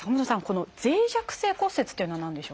この脆弱性骨折というのは何でしょうか？